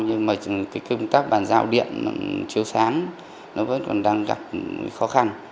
nhưng mà cái công tác bàn giao điện chiếu sáng nó vẫn còn đang gặp khó khăn